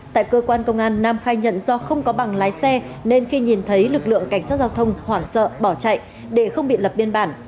tại cơ quan công an nam khai nhận do không có bằng lái xe nên khi nhìn thấy lực lượng cảnh sát giao thông hoảng sợ bỏ chạy để không bị lập biên bản